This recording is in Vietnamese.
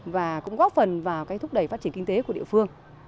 và cũng góp phần vào cái thúc đẩy phát triển kinh tế của địa phương